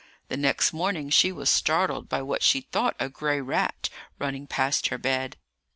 The next morning she was startled by what she thought a gray rat running past her bed.